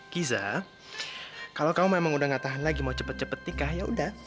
giza kalau kamu memang udah gak tahan lagi mau cepet cepet nikah yaudah